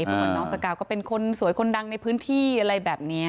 เพราะว่าน้องสกาวก็เป็นคนสวยคนดังในพื้นที่อะไรแบบนี้